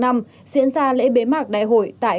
diễn ra lễ bế mạc đại hội tại